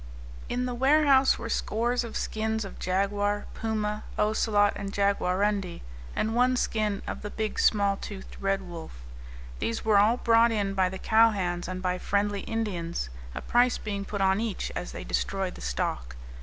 In the warehouse were scores of skins of jaguar, puma, ocelot, and jaguarundi, and one skin of the big, small toothed red wolf. These were all brought in by the cowhands and by friendly Indians, a price being put on each, as they destroyed the stock.